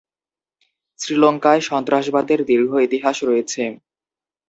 শ্রীলঙ্কায় সন্ত্রাসবাদের দীর্ঘ ইতিহাস রয়েছে।